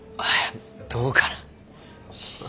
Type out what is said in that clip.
どうかな。